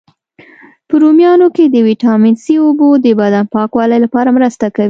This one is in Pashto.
په رومیانو کی د ویټامین C، اوبو د بدن د پاکوالي لپاره مرسته کوي.